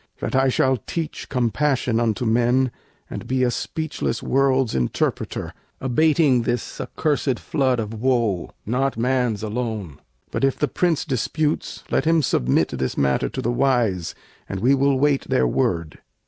That I shall teach compassion unto men And be a speechless world's interpreter, Abating this accursed flood of woe. Not man's alone; but if the Prince disputes, Let him submit this matter to the wise And we will wait their word."